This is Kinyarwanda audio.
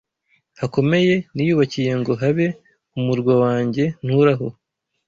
hakomeye niyubakiye ngo habe umurwa wanjye nturaho